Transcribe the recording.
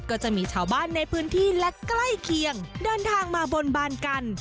ก็จะมีชาวบ้านในพื้นที่และใกล้เคียงเดินทางมาบนบานกัน